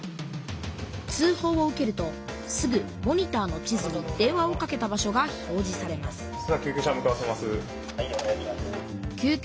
通ほうを受けるとすぐモニターの地図に電話をかけた場所が表じされます救急車向かわせます。